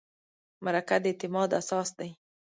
مرکه د اعتماد اساس دی.